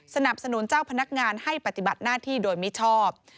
สนับสนุนเจ้าพนักงานให้ปฏิบัติหน้าที่โดยมิชอบ